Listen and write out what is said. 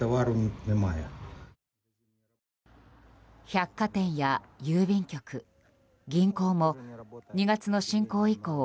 百貨店や郵便局、銀行も２月の侵攻以降